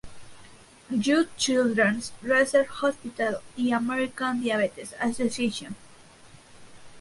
Jude Children's Research Hospital, y la American Diabetes Association.